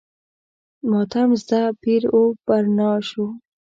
ماتم زده پیر و برنا شو.